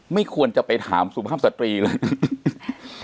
ไม่ควรจะไปถามสุภาพสตรีเลยนะ